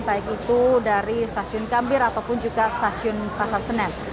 baik itu dari stasiun gambir ataupun juga stasiun pasar senen